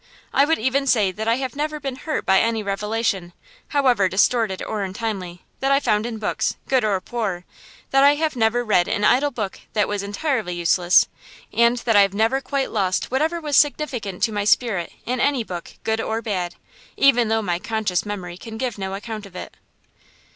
I would even say that I have never been hurt by any revelation, however distorted or untimely, that I found in books, good or poor; that I have never read an idle book that was entirely useless; and that I have never quite lost whatever was significant to my spirit in any book, good or bad, even though my conscious memory can give no account of it.